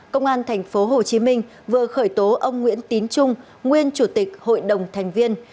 công an tp hcm vừa khởi tố ông nguyễn tín trung nguyên chủ tịch hội đồng thành viên